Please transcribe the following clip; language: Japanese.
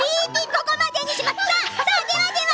ここまでにします。